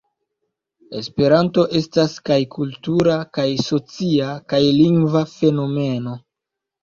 Esperanto estas kaj kultura, kaj socia, kaj lingva fenomeno.